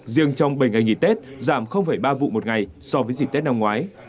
riêng trong bảy ngày nghỉ tết giảm ba vụ một ngày so với dịp tết năm ngoái